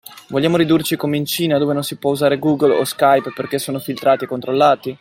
Vogliamo ridurci come in Cina dove non si può usare Google o Skype perché sono filtrati e controllati?